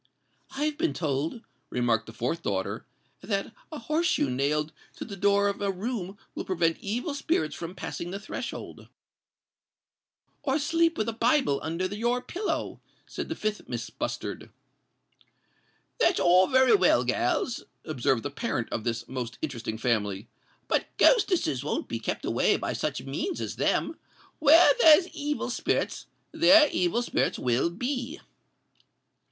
"I've been told," remarked the fourth daughter, "that a horse shoe nailed to the door of a room will prevent evil spirits from passing the threshold." "Or sleep with a Bible under your pillow," said the fifth Miss Bustard. "That's all very well, gals," observed the parent of this most interesting family; "but ghostesses won't be kept away by such means as them. Where there's evil spirits, there evil spirits will be."